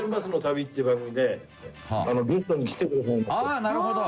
「ああなるほど。